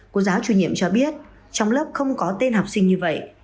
cô giáo chủ nhiệm cho biết trong lớp không có tên học sinh như vậy